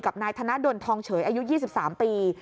นายธนดลทองเฉยอายุ๒๓ปี